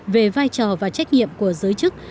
về vai trò và trách nhiệm của giới chức